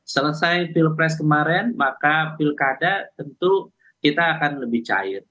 selesai pilpres kemarin maka pilkada tentu kita akan lebih cair